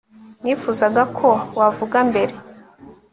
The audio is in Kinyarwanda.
nifuzaga ko wavuga mbere